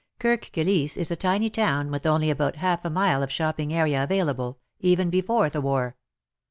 Kirk Kilisse is a tiny town with only about half a mile of shopping area avail able — even before the war.